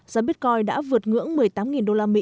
giá bitcoin đã vượt ngưỡng một mươi tám usd